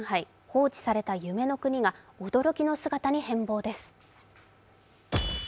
放置された夢の国が驚きの姿に変貌です。